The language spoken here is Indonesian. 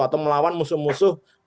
atau melawan musuh musuh